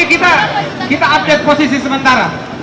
kita update posisi sementara